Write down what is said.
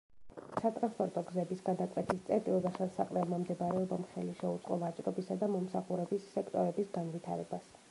სატრანსპორტო გზების გადაკვეთის წერტილზე ხელსაყრელმა მდებარეობამ ხელი შეუწყო ვაჭრობისა და მომსახურების სექტორების განვითარებას.